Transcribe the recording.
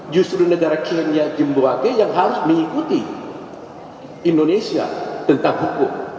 justru negara kenya jimboage yang harus mengikuti indonesia tentang hukum